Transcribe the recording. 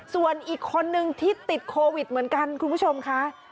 ส่วนอีกคนนึงที่ติดโควิดเหมือนกันคุณผู้ชมค่ะ